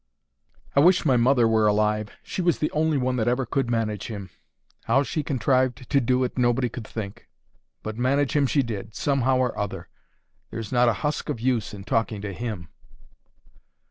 "I wish my mother were alive. She was the only one that ever could manage him. How she contrived to do it nobody could think; but manage him she did, somehow or other. There's not a husk of use in talking to HIM."